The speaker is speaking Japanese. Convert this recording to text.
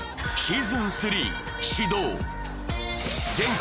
全国